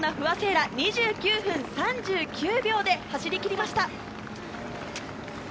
不破聖衣来、２９分３９秒で走り切りました。